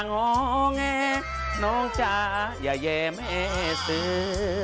น้องจ้าอย่าแย่แม่เสือ